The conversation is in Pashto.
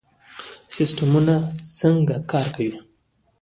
سیستمونه څنګه کار کوي؟